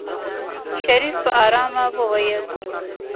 شريف په آرامه وويل.